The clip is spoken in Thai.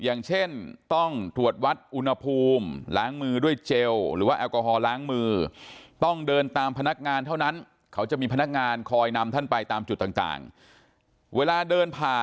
อย่างเช่นต้องถูกวัดอุณหภูมิล้างมือด้วยเจลหรือว่าอัลกอธิบายล้างมือ